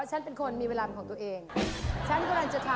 เจ๊มีแฟนแล้วเหรอ